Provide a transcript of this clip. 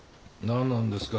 「何なんですか？」